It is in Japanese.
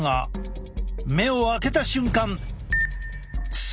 目を開けた瞬間。